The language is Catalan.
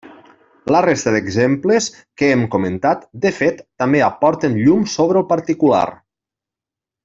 La resta d'exemples que hem comentat, de fet, també aporten llum sobre el particular.